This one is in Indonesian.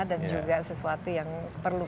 dan juga sesuatu yang perlu